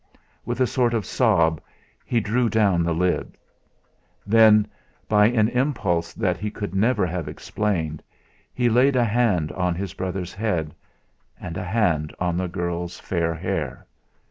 With a sort of sob he drew down the lids. Then, by an impulse that he could never have explained, he laid a hand on his brother's head, and a hand on the girl's fair hair.